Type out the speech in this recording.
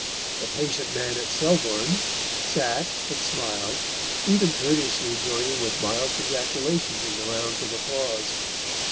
The patient man at Selborne sat and smiled, even courteously joining with mild congratulations in the rounds of applause.